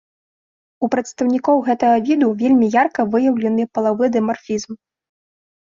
У прадстаўнікоў гэтага віду вельмі ярка выяўлены палавы дымарфізм.